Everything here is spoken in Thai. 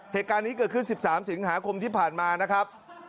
เหตุการณ์นี้เกิดขึ้น๑๓สิงหาคมที่ผ่านมานะครับ